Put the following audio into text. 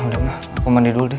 udah mah aku mandi dulu deh